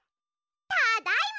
ただいま！